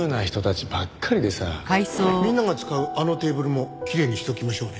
みんなが使うあのテーブルもきれいにしておきましょうね。